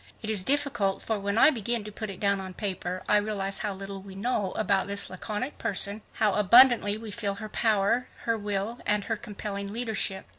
It is difficult, for when I begin to put it down on paper, I realize how little we know about this laconic person, and yet how abundantly we feel her power, her will and her compelling leadership.